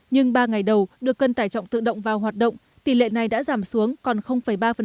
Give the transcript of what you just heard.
nhưng ba ngày đầu được cân tải trọng tự động vào hoạt động tỷ lệ này đã giảm xuống còn ba